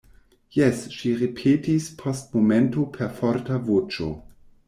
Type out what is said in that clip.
Jes, ŝi ripetis post momento per forta voĉo.